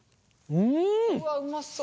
うわうまそう。